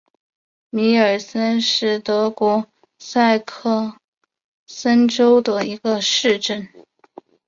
米尔森是德国萨克森州的一个市镇。